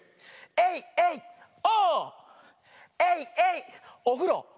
エイエイオー！